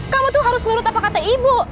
kamu tuh harus nurut apa kata ibu